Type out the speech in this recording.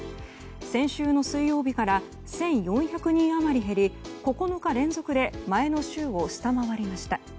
先週の水曜日から１４００人余り減り９日連続で前の週を下回りました。